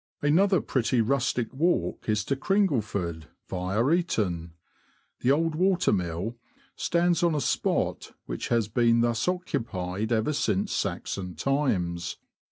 Another pretty rustic walk is to Cringleford, via Eaton. The old water mill stands on a spot which has been thus occupied ever since Saxon times.